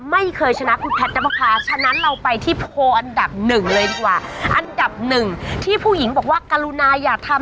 ไม่เคยชนะคุณฉะนั้นเราไปที่โพลอันดับหนึ่งเลยดีกว่าอันดับหนึ่งที่ผู้หญิงบอกว่าการุนายาธรรม